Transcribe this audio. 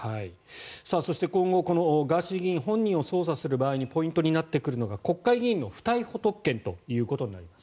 そして今後ガーシー議員本人を捜査する場合にポイントになってくるのが国会議員の不逮捕特権ということになってきます。